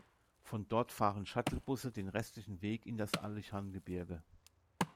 Von dort fahren Shuttle-Busse den restlichen Weg in das Alishan-Gebirge.